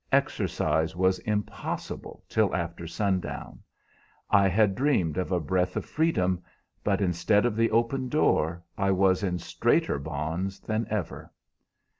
Exercise was impossible till after sundown. I had dreamed of a breath of freedom, but instead of the open door I was in straiter bonds than ever.